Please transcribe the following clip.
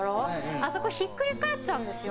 あそこひっくり返っちゃうんですよ